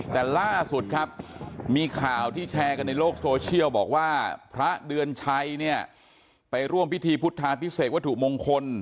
แต่ล่าสุดครับมีข่าวที่แชร์กันในโลกโซเชียลบอกว่าพระเดือนชัยเนี่ยไปร่วมพิธีพุทธาพิเศษวัตถุมงคล